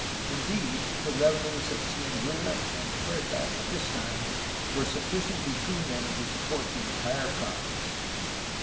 In deed, the revenues of Cieneguilla and Huerta at this time were sufficient between them to support the entire province.